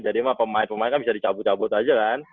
jadi mah pemain pemain kan bisa dicabut cabut aja kan